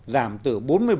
giảm từ bốn mươi bảy